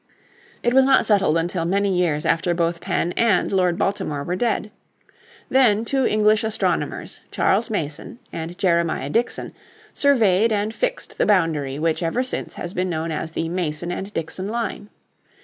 It was not settled until many years after both Penn and Lord Baltimore were dead. Then, in 1767, two English astronomers, Charles Mason and Jeremiah Dixon, surveyed and fixed the boundary which ever since has been known as the Mason and Dixon Line.